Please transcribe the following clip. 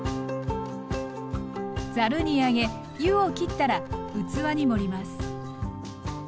ざるにあげ湯を切ったら器に盛ります。